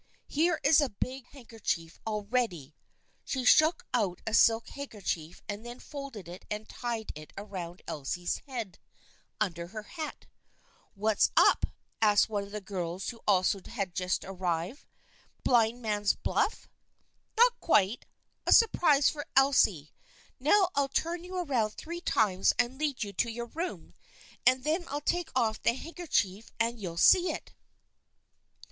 Here is a big handkerchief all ready." She shook out a silk handkerchief and then folded it and tied it around Elsie's head, under her hat. "What's up?" asked one of the girls who also had just arrived. " Blind man's buff? "" Not quite. A surprise for Elsie. Now I'll turn you around three times and lead you to your room, and then I'll take off the handkerchief and you'll see it."